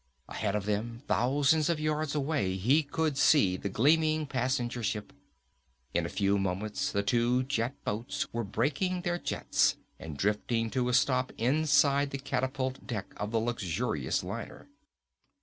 Ahead of them, thousands of yards away, he could see the gleaming passenger ship. In a few moments the two jet boats were braking their jets and drifting to a stop inside the catapult deck of the luxurious liner.